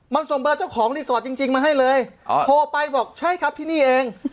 มันส่งเบอร์เจ้าของรีสอร์ทจริงมาให้เลยโทรไปบอกใช่ครับที่นี่เอง